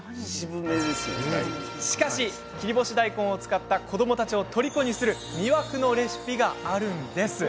しかし、切り干し大根を使った子どもたちをとりこにする魅惑のレシピがあるんです。